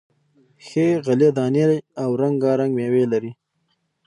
ښې غلې دانې او رنگا رنگ میوې لري،